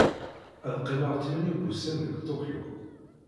Ad qqimeɣ tmanya n wussan deg Tokyo.